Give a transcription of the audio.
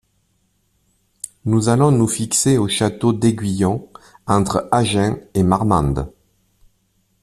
Nous allons nous fixer au château d'Aiguillon, entre Agen et Marmande.